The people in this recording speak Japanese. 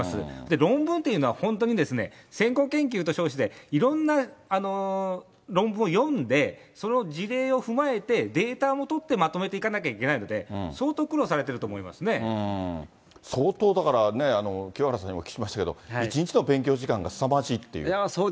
論文というのは、本当に先行研究と称して、いろんな論文を読んで、その事例を踏まえて、データも取ってまとめていかなきゃいけないので、相当苦労されて相当だからね、清原さんにもお聞きしましたけど、１日の勉強時間がすさまじいという。